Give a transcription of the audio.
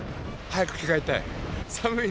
早く着替えたい。